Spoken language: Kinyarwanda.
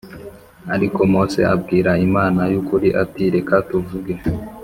Ariko mose abwira imana y ukuri ati reka tuvuge